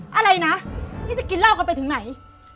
อะไรนะพี่จะกินเหล้ากันไปถึงไหน